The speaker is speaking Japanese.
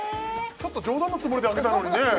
ちょっと冗談のつもりで上げたのにねえ